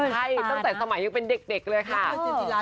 ใช่ตั้งแต่สมัยยังเป็นเด็กเลยค่ะ